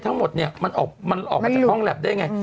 ทั้งหมดเนี่ยมันออกมาจากห้องแล็บได้ไง